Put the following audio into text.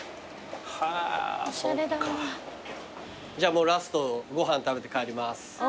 じゃあもうラストご飯食べて帰ります。